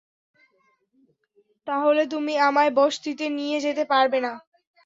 তাহলে তুমি আমায় বসতিতে নিয়ে যেতে পারবে না?